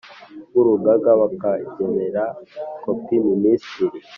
W urugaga bakagenera kopi minisitiri